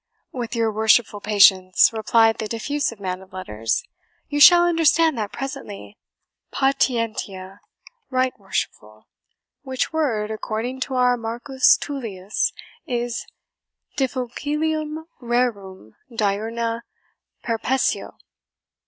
"With your worshipful patience," replied the diffusive man of letters, "you shall understand that presently PATENTIA then, right worshipful, which word, according to our Marcus Tullius, is 'DIFFICILIUM RERUM DIURNA PERPESSIO.'